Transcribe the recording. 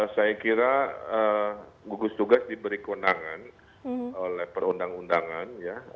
saya kira gugus tugas diberi keundangan oleh perundang undangan